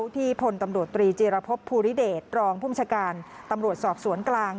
พลตำรวจตรีจีรพบภูริเดชรองภูมิชาการตำรวจสอบสวนกลาง